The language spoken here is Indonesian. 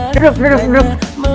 duduk duduk duduk